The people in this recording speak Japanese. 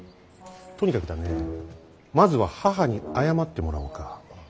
とにかくだねまずは母に謝ってもらおうか。